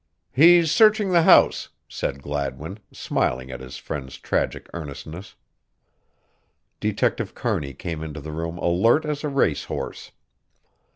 "He's searching the house," said Gladwin, smiling at his friend's tragic earnestness. Detective Kearney came into the room alert as a race horse.